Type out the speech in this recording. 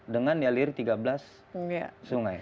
dengan nyalir tiga belas sungai